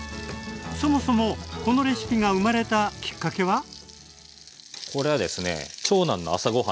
そもそもこのレシピが生まれたきっかけは？